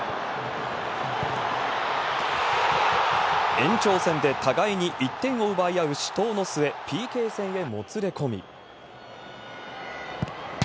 延長戦で互いに１点を奪い合う死闘の末、ＰＫ戦へもつれ込み。